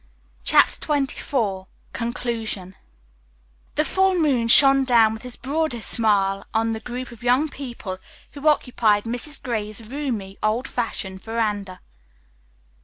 '" CHAPTER XXIV CONCLUSION The full moon shone down with his broadest smile on the group of young people who occupied Mrs. Gray's roomy, old fashioned veranda.